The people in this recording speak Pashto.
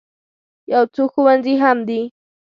یو څو ښوونځي هم دي.